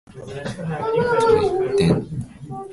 ｔｒｇｔｙｔｎ